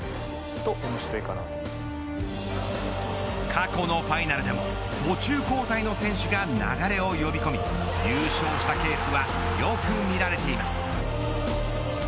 過去のファイナルでも途中交代の選手が流れを呼び込み優勝したケースはよく見られています。